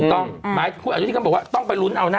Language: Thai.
จะลงทะเบียนได้มั้ยถูกต้องก็บอกว่าต้องไปลุ้นเอาน่ะ